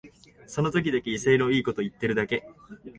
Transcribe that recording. その時だけ威勢のいいこと言ってるだけ